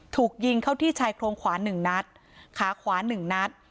ถูกยิงเข้าที่ชายโครงขวา๑นัดขาขวา๑นัด